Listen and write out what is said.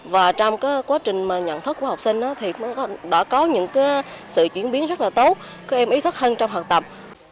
và trong quá trình nhận thức của học sinh thì cũng đã có những sự chuyển biến rất là tốt các em ý thức hơn trong học tập